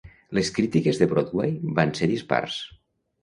Les crítiques de Broadway van ser dispars.